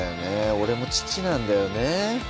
俺も父なんだよね